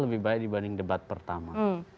lebih baik dibanding debat pertama